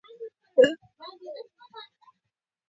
هغه د موټر ښیښه په بیړه پاکوله.